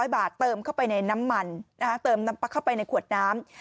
๑๐๐บาทเติมเข้าไปในน้ำมันเติมในขวดน้ำ